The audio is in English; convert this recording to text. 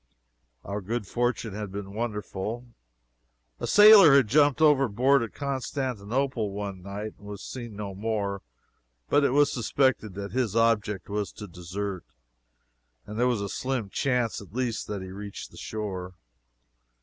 Our good fortune had been wonderful. A sailor had jumped overboard at Constantinople one night, and was seen no more, but it was suspected that his object was to desert, and there was a slim chance, at least, that he reached the shore.